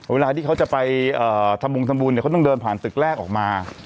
เวลาที่เขาจะไปทำบุญเขาต้องเดินผ่านตึกแรกออกมา